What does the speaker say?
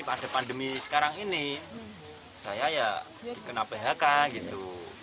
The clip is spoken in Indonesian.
pada pandemi sekarang ini saya ya kena phk gitu